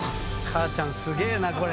母ちゃんすげえ。